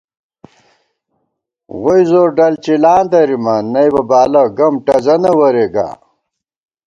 ووئی زور ڈل چِلاں درِامان، نئیبہ بالہ گم ٹزَنہ ورے گا